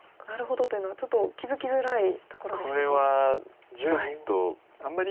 「なるほど」というのはちょっと気付きづらいところでしたか？